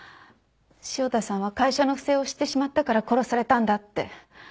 汐田さんは会社の不正を知ってしまったから殺されたんだって。